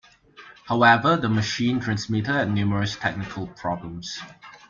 However the machine transmitter had numerous technical problems.